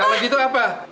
kalau gitu apa